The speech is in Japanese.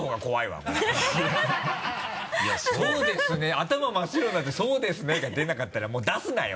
頭真っ白になって「そうですね」が出なかったらもう出すなよ